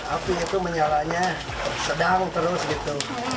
api itu menyalanya sedang terus gitu